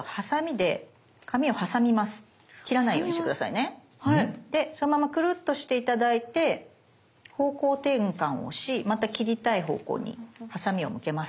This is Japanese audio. でそのままくるっとして頂いて方向転換をしまた切りたい方向にハサミを向けます。